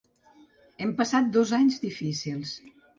Hem passat dos anys difícils.